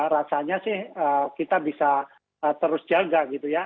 rasanya sih kita bisa terus jaga gitu ya